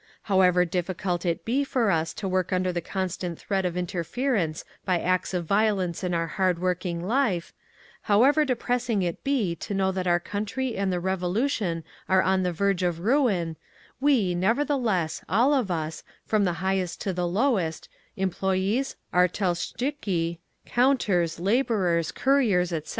"However difficult it be for us to work under the constant threat of interference by acts of violence in our hard working life, however depressing it be to know that our Country and the Revolution are on the verge of ruin, we, nevertheless, all of us, from the highest to the lowest, employees, artelshtchiki, counters, labourers, couriers, etc.